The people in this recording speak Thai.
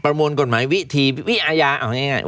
ประมวลกฎหมายวิทีวิอายาอ๋อง่าย